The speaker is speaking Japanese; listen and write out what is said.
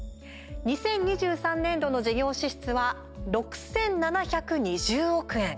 ２０２３年度の事業支出は６７２０億円。